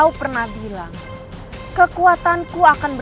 apa yang harus aku lakukan